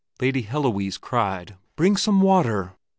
Lady Heloise cried, "Bring some water!"